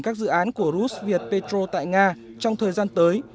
các dự án của rus viet petro tại nga trong thời gian tới